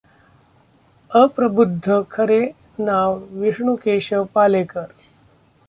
अप्रबुद्ध खरे नाव विष्णू केशव पालेकर